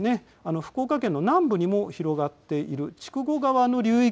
福岡県の南部にも広がっている筑後川の流域。